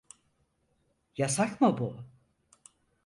Yasak mı bu?